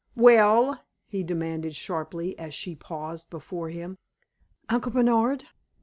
"Well?" he demanded, sharply, as she paused before him. "Uncle Bernard!"